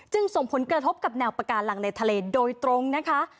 ส่งผลกระทบกับแนวปากาลังในทะเลโดยตรงนะคะ